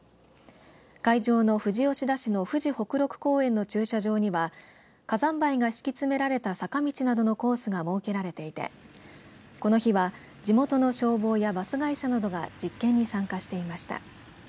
会場の富士吉田市の富士北麓公園の駐車場には火山灰が敷き詰められた坂道などのコースが設けられていてこの日は地元の消防やバス会社などが実験に参加していました。